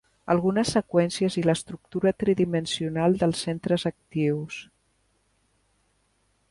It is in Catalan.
Algunes seqüències i l'estructura tridimensional dels centres actius.